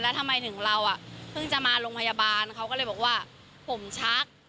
แล้วทำไมถึงเราอ่ะเพิ่งจะมาโรงพยาบาลเขาก็เลยบอกว่าผมชัก